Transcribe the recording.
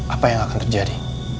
apa yang akan terjadi